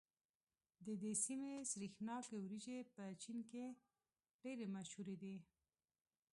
د دې سيمې سرېښناکې وريجې په چين کې ډېرې مشهورې دي.